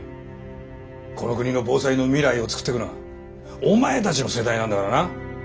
この国の防災の未来を作っていくのはお前たちの世代なんだからな。